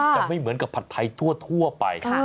จะไม่เหมือนกับผัดไทยทั่วไป